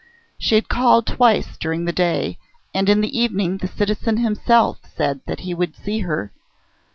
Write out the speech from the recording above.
She had called twice during the day, and in the evening the citizen himself said that he would see her.